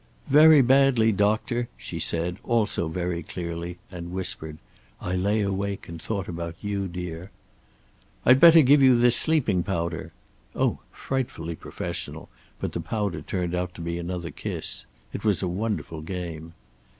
"Very badly, doctor," she said, also very clearly, and whispered, "I lay awake and thought about you, dear." "I'd better give you this sleeping powder." Oh, frightfully professional, but the powder turned out to be another kiss. It was a wonderful game.